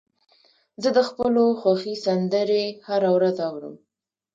زه د خپلو خوښې سندرې هره ورځ اورم.